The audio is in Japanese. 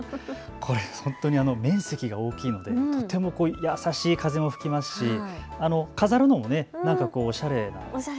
本当に面積が大きいのでとても優しい風も吹きますし飾るのもなんかこう、おしゃれ。